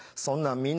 そんなん